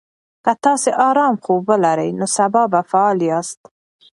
که تاسي ارام خوب ولرئ، نو سبا به فعال یاست.